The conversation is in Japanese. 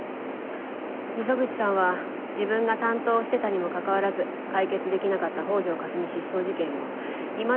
溝口さんは自分が担当してたにもかかわらず解決できなかった「北條かすみ失踪事件」をいまだに追ってるのよ。